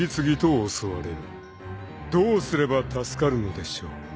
［どうすれば助かるのでしょう？］